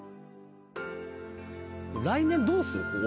来年どうする？